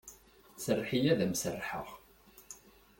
Serreḥ-iyi ad am-serrḥeɣ.